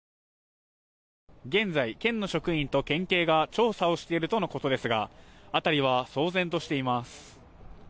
現在、県の職員と県警が調査をしているとのことですが辺りは騒然としています。